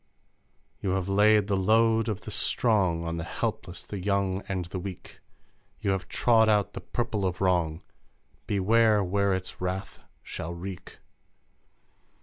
You have laid the load of the strong On the helpless, the young, the weak! You have trod out the purple of wrong; Beware where its wrath shall wreak!